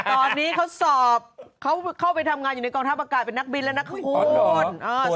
ตอนนี้เขาสอบเข้าไปทำงานอยู่ในกองท่าประกาศเป็นนักบินและนักโฆษณ์